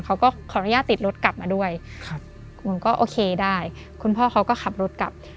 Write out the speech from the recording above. เขาก็ขออนุญาตติดรถกลับมาด้วยครับคุณก็โอเคได้คุณพ่อเขาก็ขับรถกลับ